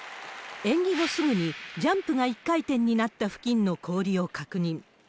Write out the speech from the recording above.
演技後すぐに、ジャンプが１回転になった付近の氷を確認。